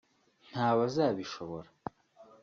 ntabazabishobora